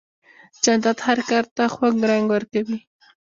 جانداد هر کار ته خوږ رنګ ورکوي.